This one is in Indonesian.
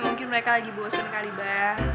kemungkinan mereka lagi bosen kak libah